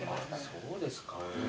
そうですか。